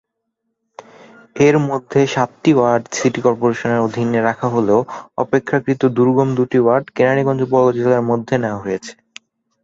এর মধ্যে সাতটি ওয়ার্ড সিটি করপোরেশনের অধীনে রাখা হলেও অপেক্ষাকৃত দুর্গম দুটি ওয়ার্ড কেরানীগঞ্জ উপজেলার মধ্যে নেওয়া হয়েছে।